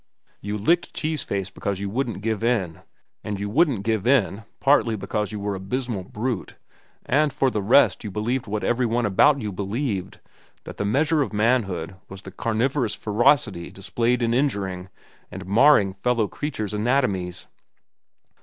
You licked Cheese Face because you wouldn't give in, and you wouldn't give in partly because you were an abysmal brute and for the rest because you believed what every one about you believed, that the measure of manhood was the carnivorous ferocity displayed in injuring and marring fellow creatures' anatomies.